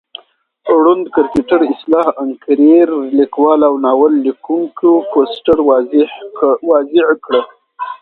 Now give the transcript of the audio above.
رونډ کرکټراصطلاح انکرېرلیکوال اوناول لیکوونکي فوسټر واضع کړه.